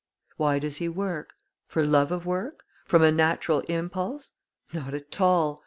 Why does he work? For love of work? From a natural impulse? Not at all!